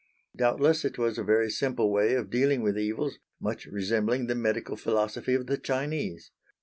Doubtless it was a very simple way of dealing with evils, much resembling the medical philosophy of the Chinese.